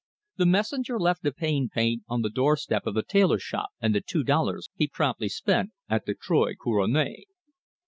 The messenger left the Pain Paint on the door step of the tailor shop, and the two dollars he promptly spent at the Trois Couronnes.